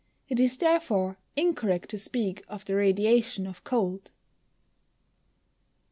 It is, therefore, incorrect to speak of the radiation of cold.